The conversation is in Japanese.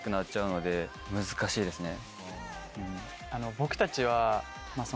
僕たちは。